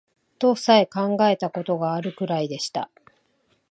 とさえ考えた事があるくらいでした